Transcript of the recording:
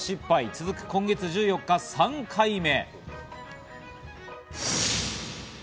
続く今月１４日、３回目。